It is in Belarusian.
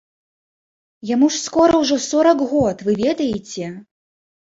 Яму ж скора ўжо сорак год, вы ведаеце?